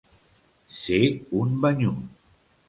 Ser un banyut.